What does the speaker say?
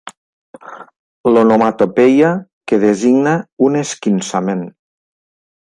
L'onomatopeia que designa un esquinçament.